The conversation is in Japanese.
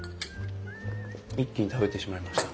一気に食べてしまいました。